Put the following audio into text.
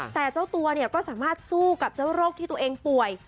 แต่เจ้าตัวเนี่ยก็สามารถสู้กับเจ้าโรคที่ตัวเองป่วย